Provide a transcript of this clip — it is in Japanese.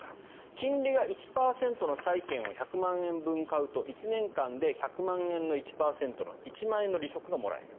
金利が１％の債権を１００万円分買うと１年間で１００万円の１％の１万円の利息がもらえる。